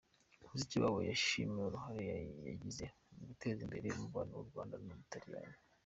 Mushikiwabo yashimiwe uruhare yagize mu guteza imbere umubano w’u Rwanda n’u Butaliyani.